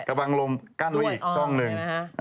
กระบังลมกั้นไว้อีกช่องหนึ่ง